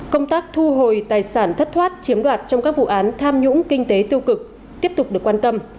công tác thu hồi tài sản thất thoát chiếm đoạt trong các vụ án tham nhũng kinh tế tiêu cực tiếp tục được quan tâm